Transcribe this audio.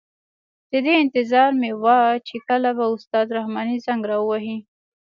د دې انتظار مې وه چې کله به استاد رحماني زنګ را وهي.